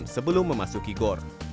sebelum memasuki gor